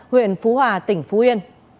huyện phú hòa tỉnh phú yên